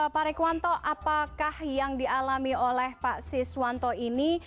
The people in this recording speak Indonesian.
pak rekwanto apakah yang dialami oleh pak siswanto ini